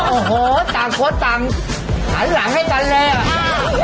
โอ้โหต่างคนต่างหันหลังให้กันเลยอ่ะ